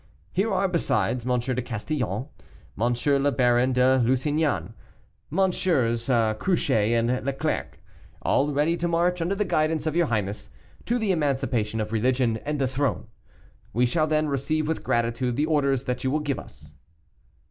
Here are, besides, M. de Castillon, M. le Baron de Lusignan, MM. Cruce and Leclerc, all ready to march under the guidance of your highness, to the emancipation of religion and the throne. We shall, then, receive with gratitude the orders that you will give us."